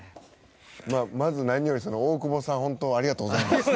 まず何よりその大久保さん本当ありがとうございました。